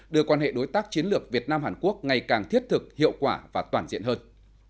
đưa quan hệ đối tác chiến lược việt nam hàn quốc ngày càng thiết thực hiệu quả và toàn diện hơn